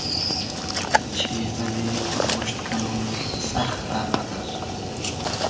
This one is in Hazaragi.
چیز اللی پورموشت کئنوم سئختۂ غئدئر